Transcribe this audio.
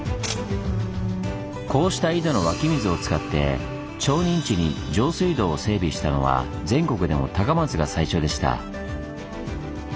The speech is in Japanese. こうした井戸の湧き水を使って町人地に上水道を整備したのは全国でも高松が最初でした。